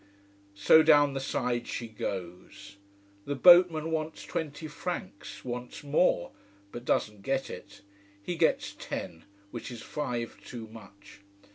So down the side she goes. The boatman wants twenty francs wants more but doesn't get it. He gets ten, which is five too much.